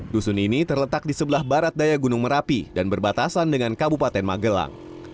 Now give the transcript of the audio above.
dusun ini terletak di sebelah barat daya gunung merapi dan berbatasan dengan kabupaten magelang